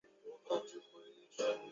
古坟是日本本土最西的前方后圆坟。